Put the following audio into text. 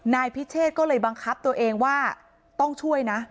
นายพิเชษก็เลยบังคับตัวเองว่าต้องช่วยนะ